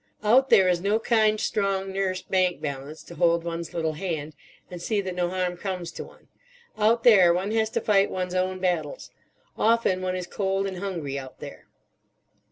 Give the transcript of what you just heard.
Out there is no kind, strong Nurse Bank Balance to hold one's little hand, and see that no harm comes to one. Out there, one has to fight one's own battles. Often one is cold and hungry, out there.